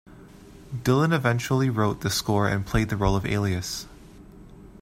Dylan eventually wrote the score and played the role of "Alias".